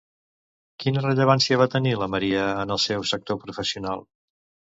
Quina rellevància va tenir la Maria en el seu sector professional?